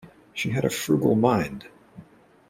She had a frugal mind.